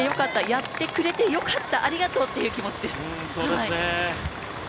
やってくれてよかったありがとうっていう気持ちです！